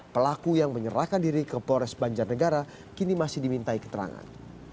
pelaku yang menyerahkan diri ke polres banjarnegara kini masih dimintai keterangan